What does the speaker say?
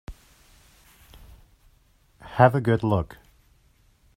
Have a good look.